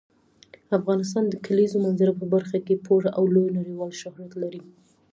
افغانستان د کلیزو منظره په برخه کې پوره او لوی نړیوال شهرت لري.